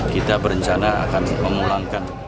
kita berencana akan memulangkan